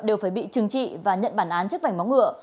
đều phải bị trừng trị và nhận bản án trước vảnh móng ngựa